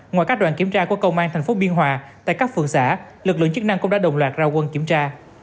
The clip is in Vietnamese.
ngoài các đoàn kiểm tra của công an tp biên hòa tại các phường xã lực lượng chức năng cũng đã đồng loạt ra quân kiểm tra